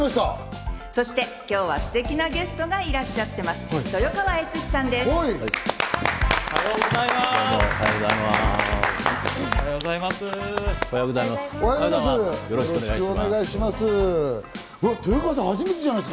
そして今日はステキなゲストがいらっしゃっています、豊川悦司さんです。